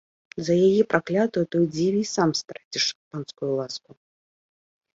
За яе, праклятую, то й дзіві, і сам страціш панскую ласку.